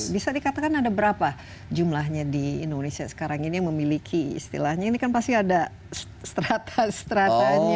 bisa dikatakan ada berapa jumlahnya di indonesia sekarang ini yang memiliki istilahnya ini kan pasti ada strata stratanya